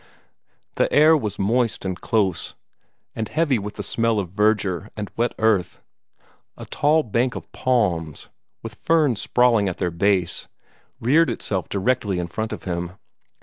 The air was moist and close, and heavy with the smell of verdure and wet earth. A tall bank of palms, with ferns sprawling at their base, reared itself directly in front of him.